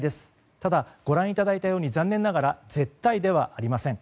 ただご覧いただいたように残念ながら絶対ではありません。